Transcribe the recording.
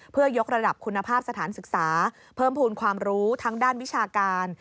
เพื่อยกระดับคุณภาพสถานศึกษาเพิ่มภูมิความรู้ทางด้านวิชาการ